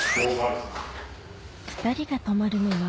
２人が泊まるのは